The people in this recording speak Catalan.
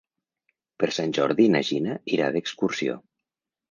Per Sant Jordi na Gina irà d'excursió.